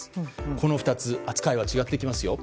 この２つ、扱いは違ってきますよ。